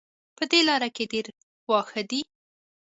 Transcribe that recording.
په دې لاره کې ډېر واښه دي